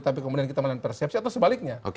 tapi kemudian kita melihat persepsi atau sebaliknya